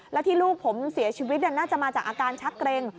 แล้วที่ลูกผมเสียชีวิตน่าจะมาจากอาการชักเกร็ง